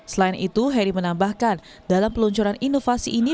selain itu heri menambahkan dalam peluncuran inovasi ini